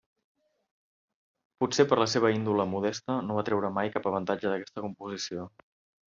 Potser per la seva índole modesta, no va treure mai cap avantatge d'aquesta composició.